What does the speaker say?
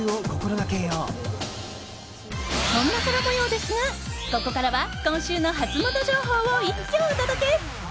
そんな空模様ですがここからは今週のハツモノ情報を一挙お届け！